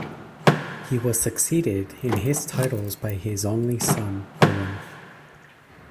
He was succeeded in his titles by his only son, Owen.